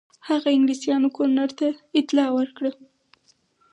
هغه انګلیسیانو ګورنر ته اطلاع ورکړه.